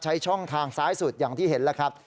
ใช้ช่องทางซ้ายสุดอย่างที่เห็นแล้วครับ